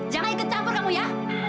jangan ikut campur kamu ya